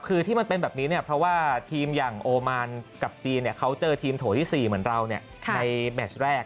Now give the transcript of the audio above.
คือที่มันเป็นแบบนี้เนี่ยเพราะว่าทีมอย่างโอมานกับจีนเขาเจอทีมโถที่๔เหมือนเราในแมชแรก